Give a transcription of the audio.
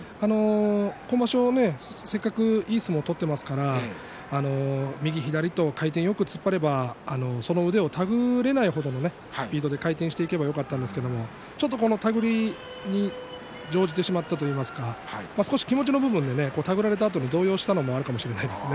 今場所、せっかくいい相撲を取っていますから右左と回転よく突っ張ればその腕を手繰られない程のスピードで回転していけばよかったんですけどこの、手繰りに乗じてしまったといいますか少し気持ちの部分で手繰られたあと動揺したのもあるかもしれませんね。